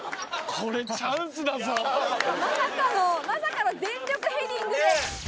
まさかのまさかの全力ヘディングで。